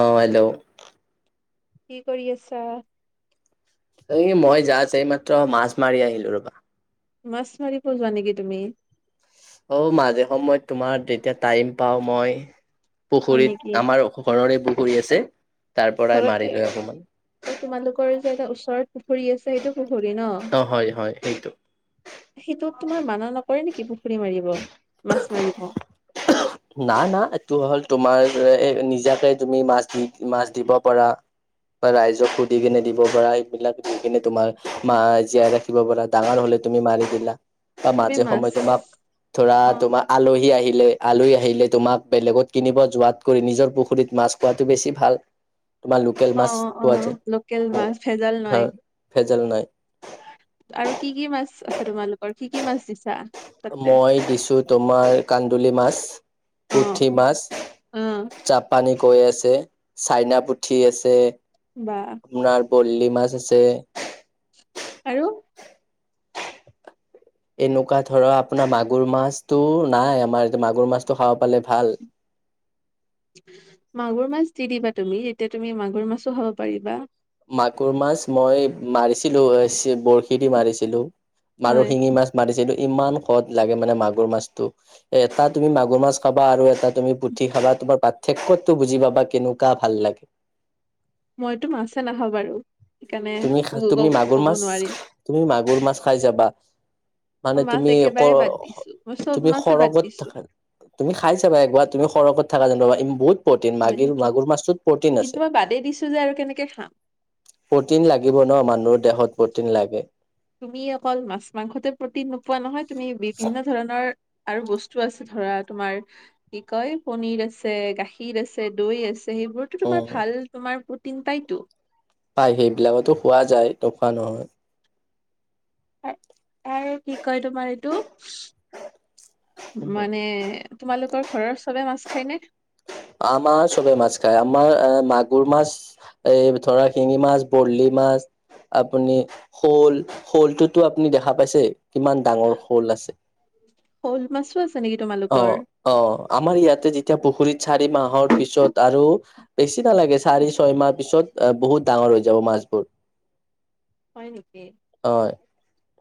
অ' hello. কি কৰি আছা? এই মই যাচ এই মাত্ৰ মাছ মাৰি আহিলোঁ ৰবা। মাছ মাৰিব যোৱা নেকি তুমি? অ' মাজে সময়ত তোমাৰ যেতিয়া টাইম পাও মই হয় নেকি? পুখুৰীত আমাৰ অখ ঘৰৰে পুখুৰী আছে তাৰপৰাই ঘৰতে মাৰি লৈ আহোঁ অকমান। অ' তোমালোকৰ যে এটা ওচৰত পুখুৰী আছে সেইটো পুখুৰী ন'? অ' হয় হয়, সেইটো। সেইটো তোমাৰ মানা নকৰে নেকি, পুখুৰী মাৰিব, মাছ মাৰিব? নাই না এইটো হ'ল তোমাৰ নিজাকে তুমি মাছ দি মাছ দিব পৰা বা ৰাইজক সুধি কেনে দিব পৰা, এইবিলাক দি কেনে তোমাৰ মা জীয়াই দিব পাৰা, ডাঙৰ হ'লে তুমি মাৰি দিলা। বা তুমি মাজে মাছ সময়ে তোমাক ধৰা অ তোমাৰ আলহী আহিলে। আলহী আহিলে তোমাক বেলেগত কিনিব যোৱাতকৈ নিজৰ পুখুৰীত মাছ খোৱাটো বেছি ভাল। তোমাৰ লোকেল অ মাছ অ পোৱা লোকেল যায়, মাছ ভেজাল নাই অ' ভেজাল নাই। আৰু কি কি মাছ আছে তোমালোকৰ? কি কি মাছ দিছা? তাতে? মই দিছোঁ তোমাৰ কান্দুলি মাছ। অ পুঠি মাছ, অ চাপ পানী কৈ আছে, চাইনা পুঠি আছে। বা। আপোনাৰ ভৰলি মাছ আছে। আৰু? এনেকুৱা ধৰা, আপোনাৰ মাগুৰ মাছটো, নাই আমাৰ, মাগুৰ মাছটো খাব পালে, ভাল। মাগুৰ মাছ দি দিবা তুমি? এতিয়া, তুমি মাগুৰ মাছো খাব পাৰিবা। মাগুৰ মাছ, মই মাৰিছিলোঁ। এ, [unintelligible] বৰশী দি মাৰিছিলোঁ। মাগুৰ, হয় শিঙি মাছ মাৰিছিলোঁ। ইমান সত লাগে মানে, মাগুৰ মাছটো। এটা তুমি, মাগুৰ মাছ খাবা। আৰু এটা তুমি, পুঠি খাবা, তোমাৰ পাৰ্থক্যটো বুজি পাবা, কেনেকুৱা ভাল লাগে! মইতো, মাছে নাখাওঁ বাৰু। সেইকাৰণে, তুমি তুমি [unintelligible] মাগুৰ ক'ব মাছ নোৱাৰি আৰু। তুমি, মাগুৰ মাছ খাই যাবা? মানে, মই মাছ তুমি একেবাৰে বাদ [unintelligible] দিছো মই চব তুমি মাছে বাদ সৰগত দিছো। থাকা। তুমি খাই চাবা, একবাৰ? তুমি সৰগত থাকা যেনিবা, বহুত প্ৰটিন [unintelligible] মাগুৰ মাছটোত প্ৰটিন আছে। বাদে দিছে। যে আৰু কেনেকে খাম। প্ৰটিন লাগিব ন'! মানুহৰ দেহত প্ৰটিন লাগে। তুমি অকল মাছ-মাংসতে প্ৰটিন নোপোৱা, নহয়। তুমি বিভিন্ন ধৰণৰ আৰু বস্তু আছে ধৰা, তোমাৰ কি কয়! পনীৰ আছে, গাখীৰ আছে, দৈ আছে। সেইবোৰতো, তোমাৰ উম ভাল! তোমাৰ প্ৰটিন পাইতো। পায়, সেইবিলাকতো খোৱা যায়। ত' খোৱা নহয়। আৰু কি কয়! তোমাৰ এইটো মানে, তোমালোকৰ ঘৰত চবে, মাছ খায়নে? আমাৰ চবেই মাছ খায়। আমাৰ মাগুৰ মাছ এই ধৰা, শিঙি মাছ, বৰালি মাছ। আপুনি, শ'ল-শ'লটোতো আপুনি দেখা পাইছে? কিমান ডাঙৰ শ'ল আছে! শ'ল মাছো আছে নেকি তোমালোকৰ অ'! অ'! আমাৰ ইয়াতে যেতিয়া, পুখুৰীত চাৰি মাহৰ পিছত আৰু বেছি নালাগে, চাৰি- ছয়মাহ পিছত, বহুত ডাঙৰ হৈ যাব, মাছবোৰ। হয়, নেকি? অ'!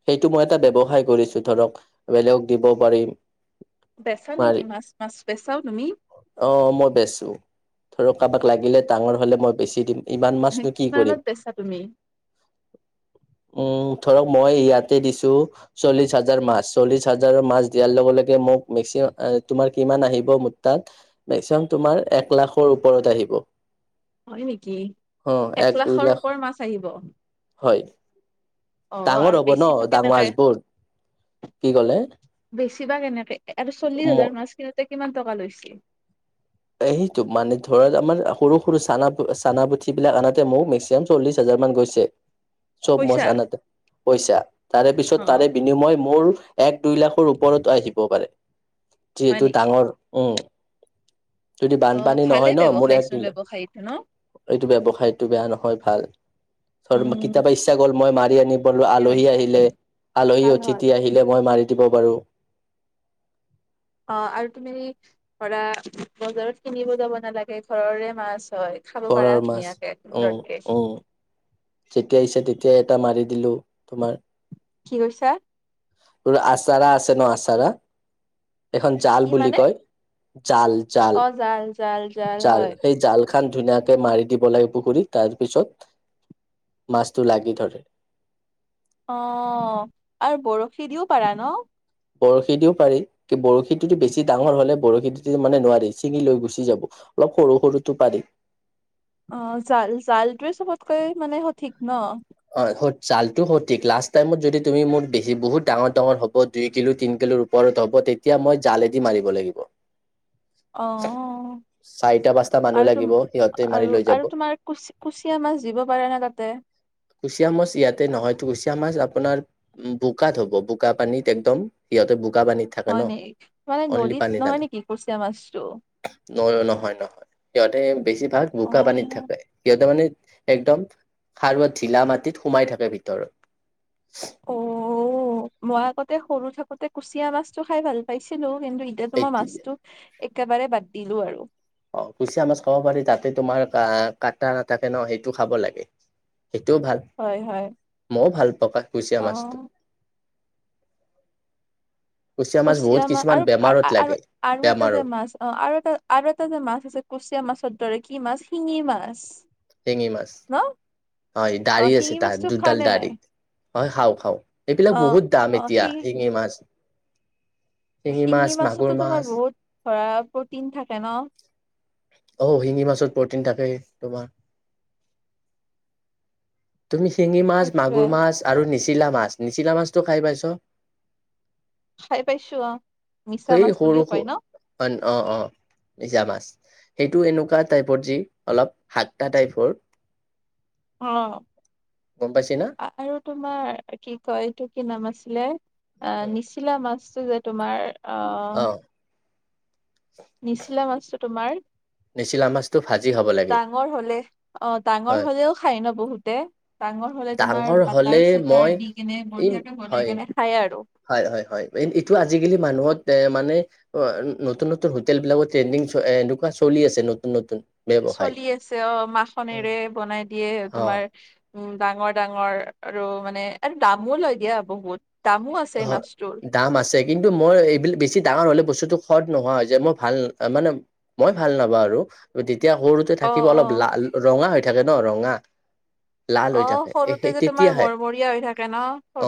সেইটো মই তাতে, ব্যৱসায় কৰিছোঁ ধৰক, বেলেগ দিব পাৰিম। বেচা নেকি, মাৰি মাছ-মাছ বেচাও তুমি? অ'! মই বেচো। ধৰক, কাৰোবাক লাগিলে, ডাঙৰ হ'লে মই বেছি দিম। ইমান মাছনো, কি কিমানত কৰিম! বেচা তুমি অ'! ধৰক, মই ইয়াতে দিছোঁ। চল্লিশ হাজাৰ মাছ, চল্লিশ হাজাৰৰ মাছ দিয়াৰ লগে, লগে মোক নিছে। তোমাৰ কিমান আহিব, মোৰ তাত? মেক্সিমাম তোমাৰ, এক লাখৰ ওপৰত আহিব। হয় নেকি অ'! এক- দুই লাখৰ লাখ। ওপৰ মাছ আহিব। অ হয়! ডাঙৰ আৰু হ'ব ন'! বেচিবা ডাঙৰ কেনেকে? মাছবোৰ। কি ক'লে বেচিবা কেনেকে? আৰু চল্লিশ হাজাৰ মাছ কিনোতে, কিমান টকা লৈছিল? এ, সেইটো মানে ধৰক, আমাৰ সৰু-সৰু, চানা- চানা পুঠিবিলাক আনোতে, মোৰ মেক্সিমাম, চল্লিশ হাজাৰ মান গৈছে। চব মাছ পইচা? আনোতে পইছা, তাৰে পিছত অ তাৰে, বিনিময় মোৰ, এক-দুই লাখৰ ওপৰত আহিব পাৰে। হয় যিহেতু, নেকি? ডাঙৰ! উম। যদি, অ বানপানী ভালে নহয় ন'! মোৰ ব্যৱসায়চোন এক-দুই ব্যৱসায়ীটো ন? [unintelligible] এইটো, ব্যৱসায়টো বেয়া নহয়, ভাল। উম কেতিয়াবা, ইচ্ছা গ'ল, মই মাৰি আনিব পলোঁ। ঠিকে আলহী কৈছা আহিলে, আলহী ভাল হয়। অতিথি আহিল। মই মাৰি দিব পাৰোঁ। অ'! আৰু তুমি ধৰা, বজাৰত কিনিব যাব নালাগে, ঘৰৰে মাছ হয়। খাব পাৰা ঘৰৰ মাছ ধুনীয়াকে! উম উম [unintelligible] যেতিয়া আহিছে, তেতিয়াই এটা মাৰি দিলোঁ, তোমাৰ। কি কৰিছা? [unintelligible] এখন জাল কি বুলি মানে? কয়। জাল-জাল। অ জাল জাল জাল, হয়। সেই জাল। [unintelligible] ধুনীয়াকে মাৰি দিব লাগে, পুখুৰীত। তাৰ পিছত, মাছটো লাগি ধৰে। অ'! আৰু বৰশী দিওঁ পাৰা ন'? বৰশী দিওঁ পাৰি, কি বৰশীটো দি বেছি ডাঙৰ হ'লে বৰশীটো দি মানে নোৱাৰি, ছিঙি লৈ গুচি যাব। অলপ সৰু, সৰুটো পাৰি। অ', জাল-জালটোয়ে চবতকৈ মানে সঠিক ন! অ', হয়, জালটোয়ে সঠিক লাষ্ট টাইমত যদি তুমি মোৰ বেছি বহুত ডাঙৰ, ডাঙৰ হ'ব দুই কিলো তিন কিলো ওপৰত হ'ব, তেতিয়া মই জালেদি মাৰিব লাগিব। অ চাৰিটা পাঁচটা মানুহ লাগিব সিহঁতে মাৰি লৈ যাব। কুচি-কুচিয়া মাছ দিব পাৰে নে তাতে? কুচিয়া মাছ ইয়াতে নহয়, কুচিয়া মাছ আপোনাৰ বোকাত হ'ব বোকা পানীত একদম, সিহঁতে বোকা পানীত থাকে হয়, ন নি মানে নদীত নহয় নেকি কুচিয়া মাছটো? ন-নহয়, নহয় সিহঁতে বেছিভাগ অ বোকা পানীত থাকে, সিহঁতে মানে একদম সাৰুৱ ঢিলা মাটিত সোমাই থাকে ভিতৰত। অ', মই আগতে সৰু থাকোঁতে কুচিয়া মাছ খাই ভাল পাইছিলোঁ কিন্তু এতিয়াতো মই এইটোৱে মাছতো একেবাৰে বাদ দিলো আৰু। অ', কুচিয়া মাছ খাব পাৰি তাতে তোমাৰ কাটা নাথাকে ন, সেইটো খাব লাগে। সেইটোও ভাল, হয় হয় মইও ভাল পাওঁ কুচিয়া অ মাছটো। বহুত কুচিয়া মাছ কিছুমান আৰু, বেমাৰত লাগে আৰু এটা যে বেমাৰত মাছ অ', আৰু এটা আৰু এটা যে মাছ আছে কুচিয়া মাছৰ দৰে কি মাছ শিঙি মাছ! শিঙি মাছ ন হয়, অ দাঢ়ি আছে শিঙি তাৰ মাছটো খোৱা দুডাল নে নাই দাঢ়ি। হয়, খাওঁ, খাওঁ। এইবিলাক অ বহুত দাম এতিয়া শিঙি মাছ। মাছ শিঙি মাগুৰ মাছতো তোমাৰ মাছ বহুত ধৰা প্ৰ'টিন থাকে ন! অ', শিঙি মাছত প্ৰ'টিন থাকে তোমাৰ। তুমি শিঙি মাছ, সেইটোৱে মাগুৰ মাছ আৰু নিচিলা মাছ, নিচিলা মাছটো খাই পাইছ? খাই পাইছোঁ অ'। মিছা সেই মাছ সৰু, বুলিও সৰু কয় ন অন অ', অ', নিজা মাছ। সেইটো এনেকুৱা টাইপৰ যি অলপ হাত্তা টাইপৰ। অ', গম পাইছে না? আৰু তোমাৰ কি কয় এইটো কি নাম আছিলে আ, নিচিলা মাছটো যে তোমাৰ আহ অ', নিচিলা মাছটো তোমাৰ নিচিলা মাছটো ভাজি খাব লাগে ডাঙৰ হ'লে অ', ডাঙৰ হয়। হ'লেও খাই ন বহুতে, ডাঙৰ হ'লে তোমাৰ ডাঙৰ হ'লে বাটাৰ চাটাৰ মই দি কেনে এই বঢ়িয়াকে বনাই হয়, কেনে খাই আৰু। হয়, হয়, হয়, এইটো আজিকালি মানুহত এ, মানে অ', নতুন, নতুন হোটেলবিলাকত ট্ৰেইনিং চ এনেকুৱা চলি আছে নতুন, নতুন। ব্যৱসায়। চলি আছে অ', মাখনেৰে বনাই দিয়ে অ', তোমাৰ উম, ডাঙৰ, ডাঙৰ আৰু মানে আৰু দামো লয় দিয়া বহুত। দামো আছে হয় মাছটোৰ। দাম আছে কিন্তু মই এইবিলাক বেছি ডাঙৰ হ'লে বস্তুটো সোৱাদ নোহোৱা হৈ যায়, মই ভাল মানে মই ভাল নাপাওঁ আৰু তেতিয়া সৰু তে অ থাকিব লা অ অলপ ৰঙা হৈ থাকে ন ৰঙা! লাল অ হৈ থাকে সৰুতে এই যে তোমাৰ তেতিয়াহে মৰমৰীয়া হৈ থাকে ন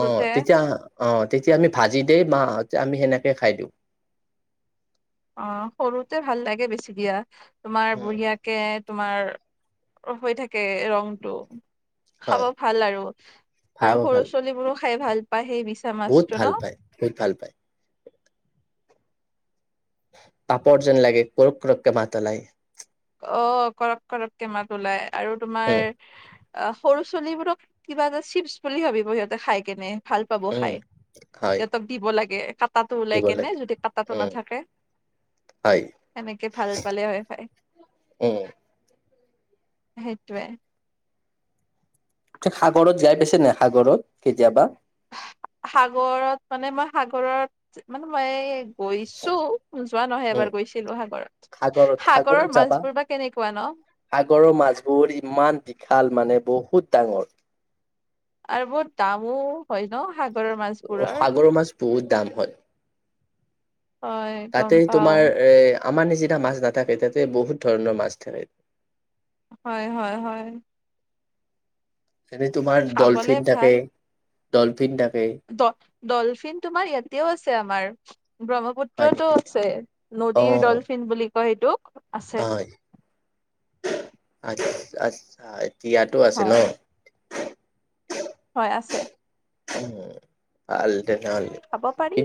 অ', তেতিয়া অ', তেতিয়া আমি ভাজি দেই মাহঁতে আমি সেনেকেই খাই দিওঁ। অ', সৰুতে ভাল লাগে বেছি দিয়া, তোমাৰ উম বঢ়িয়া কে তোমাৰ অলপ হৈ থাকে ৰংটো। খাব হয় ভাল আৰু, আৰু ভাল সৰু ভাল ছোৱালীবোৰো খাই ভাল পায় সেই বি বহুত ভাল পায়, বহুত ভাল পায়। পাপৰ যেন লাগে, কুৰোক, কুৰোককে মাত ওলায়। অ', কৰক, কৰক কে মাত ওলাই আৰু তোমাৰ উম অ', সৰু ছোৱালীবোৰক কিবা এটা চিপছ বুলি ভাবিব সিহঁতে খাই কেনে। ভাল পাব উম খাই, হয় সিহঁতক দিব লাগে [unintelligible] কাটাটো দিব ওলাই কেনে লাগে যদি কাটাটো উম নাথাকে সেনেকে ভাল পালে হয় [unintelligible] এহ সেইটোৱেই। [unintelligible] সাগৰত যায় পাইছে নে নাই সাগৰত কেতিয়াবা? সাগৰত মানে মই সাগৰত [unintelligible] মই গৈছোঁ, যোৱা নহয় উম এবাৰ গৈছিলোঁ সাগৰত। সাগৰত সাগৰত সাগৰৰ যাবা মাছবোৰ বা কেনেকুৱা ন? সাগৰৰ মাছবোৰ ইমান বিশাল মানে বহুত ডাঙৰ। আৰু বহুত দামো হয় ন সাগৰৰ মাছবোৰৰ? সাগৰৰ মাছ বহুত দাম হয় গম তাতেই পাও তোমাৰ এ আমাৰ নিচিনা মাছ নাথাকে তাতে বহুত ধৰণৰ মাছ থাকে। হয়, হয়, হয়। এনে তোমাৰ খাবলে ডলফিন থাকে, ভাল ডলফিন থাকে। ডলফিন তোমাৰ ইয়াতেও আছে আমাৰ হয় ব্ৰহ্মপুত্ৰ পুত্ৰতো, নেকি আছে অ নদীৰ ডলফিন বুলি কয় সেইটোক আছে। হয় আচ্ছা- আচ্ছা ইয়াতো আছে ন? হয় হয় আছে। [unintelligible] কিয় নোৱাৰি খাব পাৰি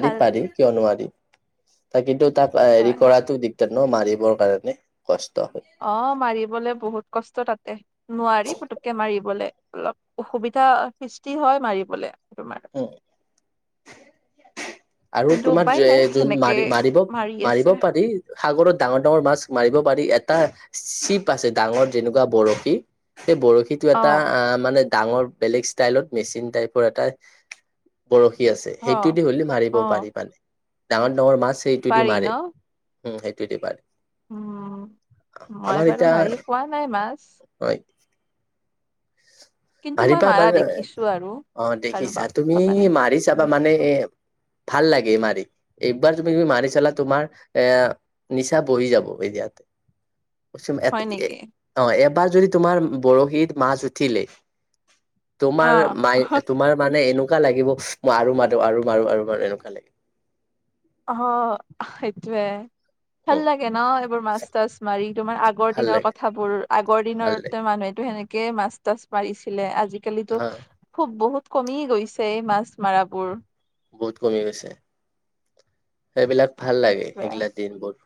ভাল ত- কিন্তু তাক হেৰি হয় কৰাতো দি [unintelligible] মাৰিবৰ কাৰণে কষ্ট হয়। অ', মাৰিবলৈ বহুত কষ্ট তাতে নোৱাৰি পুতুককে মাৰিবলে অলপ অসুবিধা সৃষ্টি হয় মাৰিবলে তোমাৰ। উম। আৰু কিন্তু তোমাৰ উপায় নাই যোন সেনেকে মাৰি-মাৰিব মাৰি মাৰিব আছে পাৰি সাগৰত ডাঙৰ ডাঙৰ মাছ মাৰিব পাৰি এটা চিপ আছে ডাঙৰ যেনেকুৱা বৰশী। সেই বৰশীটো অ এটা আহ, মানে ডাঙৰ বেলেগ ষ্টাইলত মেচিন টাইপৰ এটা বৰশী আছে, অ সেইটো দি হ'লে মাৰি অ ডাঙৰ ডাঙৰ মাছ সেইটোদি পাৰি ন মাৰে উম সেইটো দি মাৰে। উম, মই বাৰু মাৰি পোৱা নাই মাছ। হয়। কিন্তু মই পাৰিবা মাৰা মানে দেখিছো আৰু অ', কাৰোবাক দেখিছা তুমি কাবানে মাৰি চাবা মানে দেখিছো এ ভাল লাগে মাৰি। এইবাৰ তুমি- তুমি মাৰি চলা তোমাৰ এ নিচা বহি যাব এতিয়াতে [unintelligible] হয় নেকি অ', এবাৰ যদি তোমাৰ বৰশীত মাছ উঠিলে অ তোমাৰ মাই- তোমাৰ মানে এনেকুৱা লাগিব ম‌ই আৰু মাৰো আৰু মাৰো আৰু মাৰো এনেকুৱা লাগ হ, সেইটোৱেই। ভাল উম লাগে ন' এইবোৰ মাছ তাছ মাৰি তোমাৰ আগৰ ভাল দিনৰ লাগে কথাবোৰ আগৰ দিনৰ ভাল লাগে মানুহেতো সেনেক কে মাছ তাছ মাৰিছিলে আজিকালিতো হা খুব বহুত কমি গৈছে এই মাছ মৰাবোৰ। বহুত কমি গৈছে, সেইবিলাক ভাল লাগে সেইটোৱে সেইবিলা দিনবোৰ।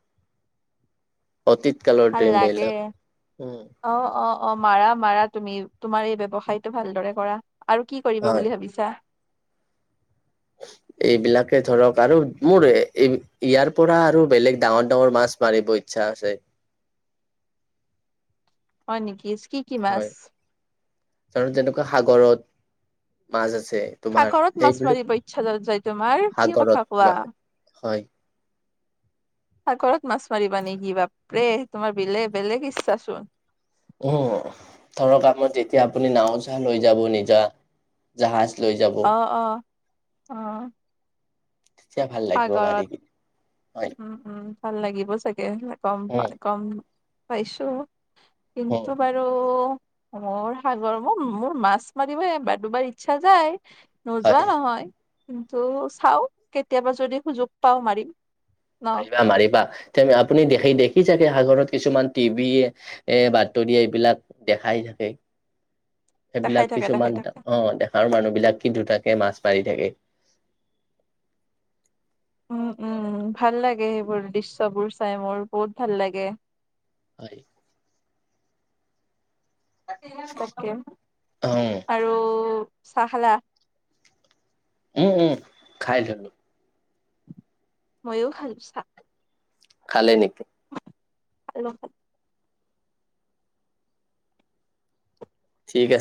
অতীত কালৰ ভাল লাগে। দিনবিলাক উম অ', অ', অ' মাৰা মাৰা তুমি তোমাৰ এই ব্যৱসায়টো ভালদৰে কৰা। আৰু কি কৰিবা হয় বুলি ভাবিছা? এইবিলাকে ধৰক আৰু মোৰ ইয়াৰ পৰা আৰু বেলেগ ডাঙৰ ডাঙৰ মাছ মাৰিব ইচ্ছা আছে। হয় নেকি? কি হয়। মাছ [unintelligible] যেনেকুৱা সাগৰত মাছ আছে তোমাৰ সাগৰত মাছ সেইবিলাক মাৰিব ইচ্ছা য-যায় তোমাৰ, কি সাগৰত কথা কোৱা? হয় সাগৰত মাছ মাৰিবা নেকি? বাপৰে, তোমাৰ বেলেগ বেলেগ ইচ্ছা চোন। অ', ধৰক কামত যেতিয়া আপুনি নাও চা লৈ যাব নিজা। জাহাজ লৈ যাব। অ অ অ তেতিয়া ভাল লাগিব মাৰি সাগৰত কিনে হয় উম, উম, ভাল লাগিব চাগে গম উম, পাই গম পাইছো উম, কিন্তু বাৰ আৰু মোৰ সাগৰ মোৰ মোৰ মাছ মাৰিব বা দুবাৰ ইচ্ছা যায়। নোযোৱা হয়। নহয় কিন্তু চাও কেতিয়াবা যদি সুযোগ পাও মাৰিম। ন মাৰিবা মাৰিবা তে আপুনি দেখি দেখি চাগে সাগৰত কিছুমান টিভি এ, বাতৰি এইবিলাক দেখাই থাকে। দেখাই সেইবিলাক থাকে দেখাই কিছুমান থাকে অ' দেখাৰ মানুহ বিলাক পিন্ধো থাকে, মাছ মাৰি থাকে। উম, উম, ভাল লাগে সেইবোৰ দৃশ্যবোৰ চাই মোৰ বহুত ভাল লাগে। হয়। তাকে, উম, আৰু চাহ খালা? উম, উম, খাই দিলো। মইয়ো খালোঁ চাহ। খালে নেকি? খালোঁ, খা ঠিক আছে।